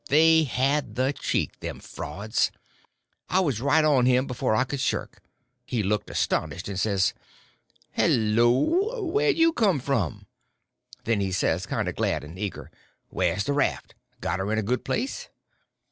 They had the cheek, them frauds! I was right on him before I could shirk. He looked astonished, and says: "Hel lo! Where'd you come from?" Then he says, kind of glad and eager, "Where's the raft?—got her in a good place?"